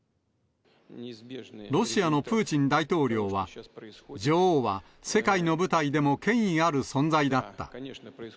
ロシアのプーチン大統領は、女王は世界の舞台でも権威ある存在だった。